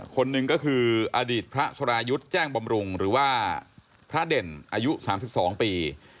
คนหนึ่งก็คืออดีตพระสรายุทธ์แจ้งบำรุงหรือว่าพระเด่นอายุ๓๒ปี